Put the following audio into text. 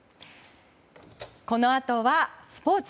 このあとはスポーツ。